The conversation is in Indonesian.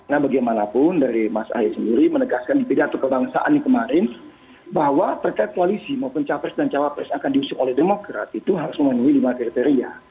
nah bagaimanapun dari mas ahy sendiri menegaskan di pidato kebangsaan kemarin bahwa terkait koalisi maupun capres dan cawapres akan diusung oleh demokrat itu harus memenuhi lima kriteria